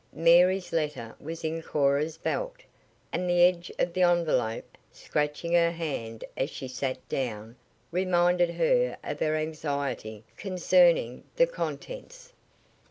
Mary's letter was in Cora's belt, and the edge of the envelope, scratching her hand as she sat down reminded her of her anxiety concerning the contents.